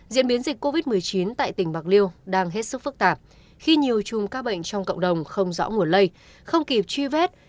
diễn biến dịch covid một mươi chín tại tỉnh bạc liêu đang hết sức phức tạp khi nhiều chùm các bệnh trong cộng đồng không rõ nguồn lây không kịp truy vết